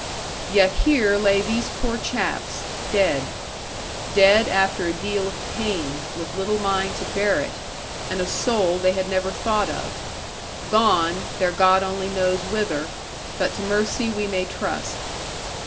Yet here lay these poor chaps, dead; dead, after a deal of pain, with little mind to bear it, and a soul they had never thought of; gone, their God alone knows whither; but to mercy we may trust.